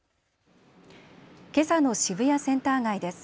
けさの渋谷センター街です。